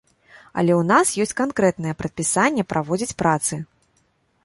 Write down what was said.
Але ў нас ёсць канкрэтнае прадпісанне праводзіць працы.